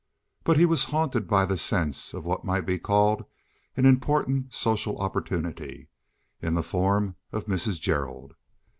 But he was haunted by the sense of what might be called an important social opportunity in the form of Mrs. Gerald.